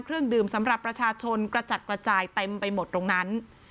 เครื่องดื่มสำหรับประชาชนกระจัดกระจายเต็มไปหมดตรงนั้น